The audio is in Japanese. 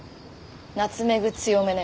ナツメグ強めね。